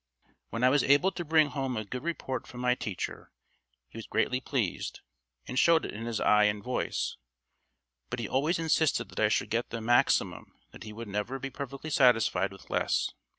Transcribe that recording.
When I was able to bring home a good report from my teacher, he was greatly pleased, and showed it in his eye and voice, but he always insisted that I should get the "maximum," that he would never be perfectly satisfied with less.